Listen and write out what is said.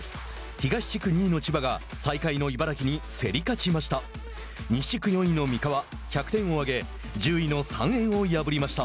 東地区２位の千葉が最下位の茨城に競り勝ちました。